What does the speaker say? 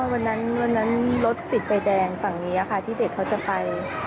วันนั้นวันนั้นรถติดไฟแดงฝั่งนี้ค่ะที่เด็กเขาจะไป